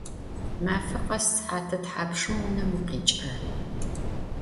Mefe khes sıhat thapşşım vunem vukhiç'ıra?